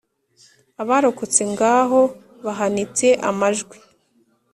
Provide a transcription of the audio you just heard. Abarokotse ngaho bahanitse amajwi,